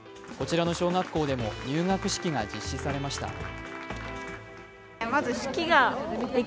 こちらの小学校でも入学式が実施されました。